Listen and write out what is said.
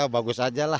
bagus aja lah